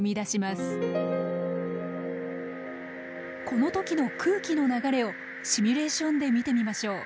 この時の空気の流れをシミュレーションで見てみましょう。